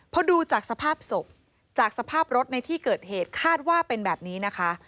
พอดูจากสภาพศพจากสภาพรถในที่เกิดเหตุคาดว่าเป็นแบบนี้นะคะ